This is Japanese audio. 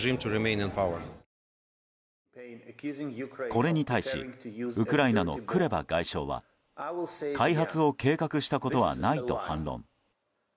これに対しウクライナのクレバ外相は開発を計画したことはないと反論。